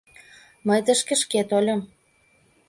Мый тышке шке тольым.